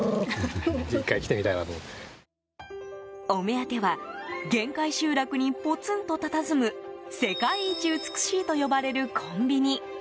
お目当ては限界集落にぽつんとたたずむ世界一美しいと呼ばれるコンビニ。